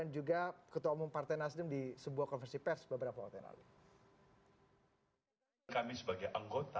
juga ketua umum partai nasdem di sebuah konversi pers beberapa hal kami sebagai anggota